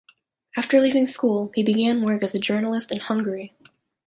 After leaving school, he began work as a journalist in Hungary.